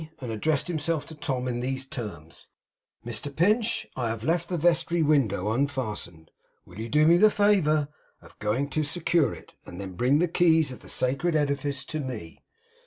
and addressed himself to Tom in these terms: 'Mr Pinch, I have left the vestry window unfastened. Will you do me the favour to go and secure it; then bring the keys of the sacred edifice to me!